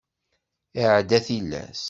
Iɛedda tilas.